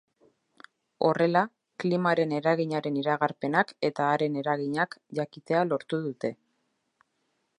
Horrela, klimaren eraginaren iragarpenak eta haren eraginak jakitea lortu dute.